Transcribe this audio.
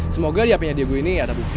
semoga di hpnya diego ini ada bukti